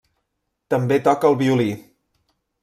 També toca el violí.